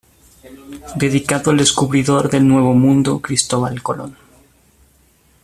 Dedicado al descubridor del Nuevo Mundo, Cristóbal Colón.